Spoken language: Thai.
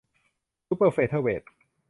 ซูเปอร์เฟเธอร์เวท